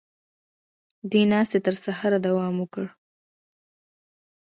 دې ناستې تر سهاره دوام وکړ.